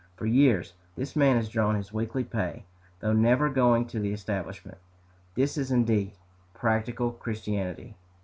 For years this man has drawn his weekly pay, though never going to the establishment. This is indeed practical Christianity.